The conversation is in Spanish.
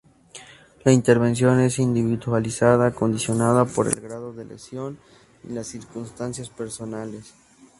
La intervención es individualizada, condicionada por el grado de lesión y las circunstancias personales.